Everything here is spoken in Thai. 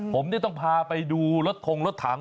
ผมต้องพาไปดูรถทงรถถัง